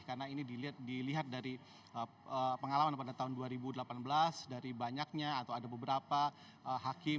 karena ini dilihat dari pengalaman pada tahun dua ribu delapan belas dari banyaknya atau ada beberapa hakim